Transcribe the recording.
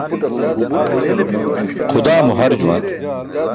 Xudaa mo har juwan.